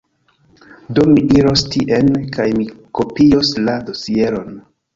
Do mi iros tien, kaj mi kopios la dosieron.